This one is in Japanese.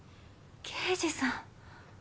刑事さん。